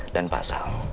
dan pak sal